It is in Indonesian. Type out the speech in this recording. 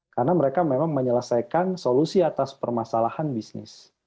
karena mereka memang menyelesaikan solusi atas permasalahan bisnis